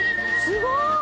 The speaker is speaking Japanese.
すごーい！